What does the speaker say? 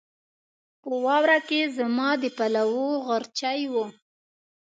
په واوره کې زما د پلوو غرچی و